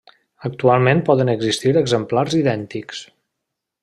Actualment poden existir exemplars idèntics.